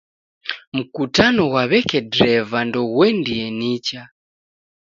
Mkutano ghwa w'eke dreva ndoghuendie nicha.